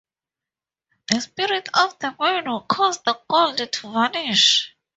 The spirits of the mine would cause the gold to vanish.